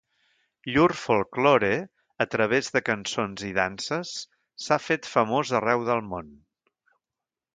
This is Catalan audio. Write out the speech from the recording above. Llur folklore, a través de cançons i danses, s'ha fet famós arreu del món.